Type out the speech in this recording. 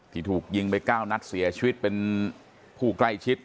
ถูกยิงไป๙นัดเสียชีวิตเป็นผู้ใกล้ชิด